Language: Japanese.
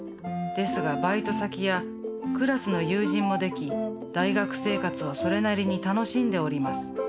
ですがバイト先やクラスの友人もでき大学生活をそれなりに楽しんでおります。